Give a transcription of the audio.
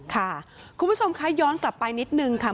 ค่ะคุณผู้ชมคะย้อนกลับไปนิดนึงค่ะ